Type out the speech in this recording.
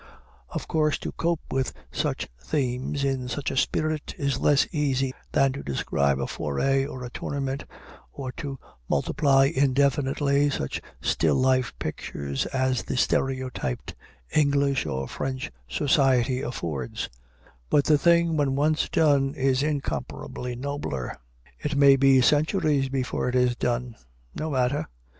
Of course, to cope with such themes in such a spirit is less easy than to describe a foray or a tournament, or to multiply indefinitely such still life pictures as the stereotyped English or French society affords; but the thing when once done is incomparably nobler. It may be centuries before it is done: no matter.